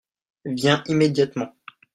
viens immédiatement.